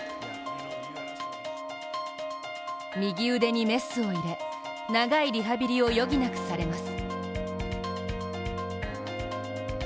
右腕にメスを入れ、長いリハビリを余儀なくされます。